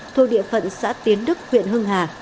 thuộc địa phận xã tiến đức huyện hưng hà